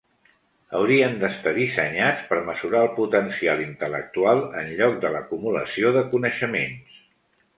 Haurien d'estar dissenyats per mesurar el potencial intel·lectual en lloc de l'acumulació de coneixements.